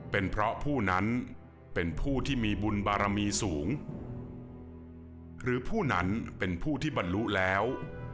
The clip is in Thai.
เป็นเพราะผู้นั้นเป็นผู้ที่มีบุญบารมีสูงหรือผู้นั้นเป็นผู้ที่บรรลุแล้ว